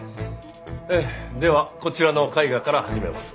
ではこちらの絵画から始めます。